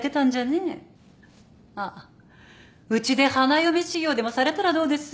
あっうちで花嫁修業でもされたらどうです？